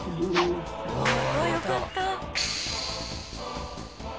ああよかった。